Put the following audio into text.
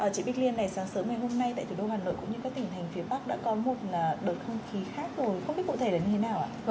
chị bích liên này sáng sớm ngày hôm nay tại thủ đô hà nội cũng như các tỉnh thành phía bắc đã có một đợt không khí khác rồi không biết cụ thể là như thế nào ạ